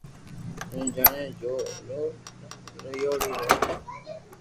ھون جڻي جو او رييايوڙي رھي ھيي